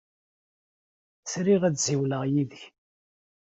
Sriɣ ad ssiwleɣ yid-k.